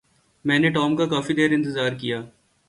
میں نے ٹام کا کافی دیر انتظار کیا۔